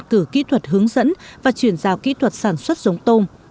cử kỹ thuật hướng dẫn và chuyển giao kỹ thuật sản xuất giống tôm